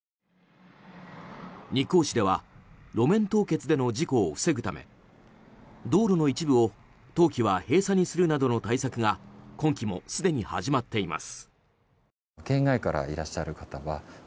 日光市では路面凍結での事故を防ぐため道路の一部を冬季は閉鎖にするなどの対策が今季もすでに始まっています。